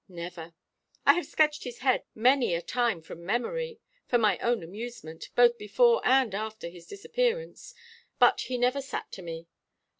"Never. I have sketched his head many a time from memory, for my own amusement, both before and after his disappearance; but he never sat to me.